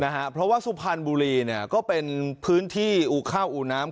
เพราะว่าสุพรรณบุรีเนี่ยก็เป็นพื้นที่อูข้าวอู่น้ำ